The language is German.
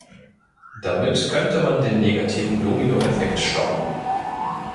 Damit könnte man den negativen Domino-Effekt stoppen.